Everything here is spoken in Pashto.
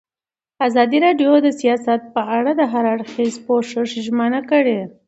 ازادي راډیو د سیاست په اړه د هر اړخیز پوښښ ژمنه کړې.